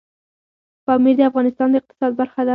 پامیر د افغانستان د اقتصاد برخه ده.